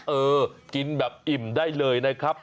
เออกินแบบอิ่มได้เลยนะครับ